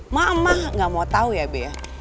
mama gak mau tau ya be